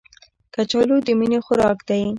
کچالو د مینې خوراک دی